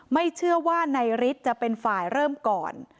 ไม่เชื่อว่านายฤทธิ์จะเป็นฝ่ายเริ่มก่อน